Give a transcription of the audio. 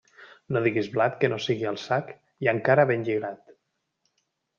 No diguis blat que no sigui al sac, i encara ben lligat.